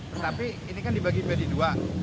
tetapi ini kan dibagi bagi dua